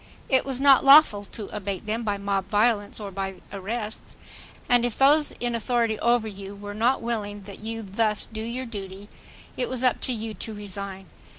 It was not lawful to abate them by mob violence, or by arrests. And if those in authority over you were not willing that you thus do your duty, it was up to you to resign.